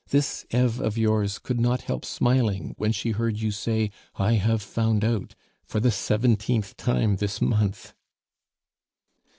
This Eve of yours could not help smiling when she heard you say, 'I have found out,' for the seventeenth time this month."